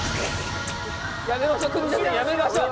やめましょう国崎さんやめましょう。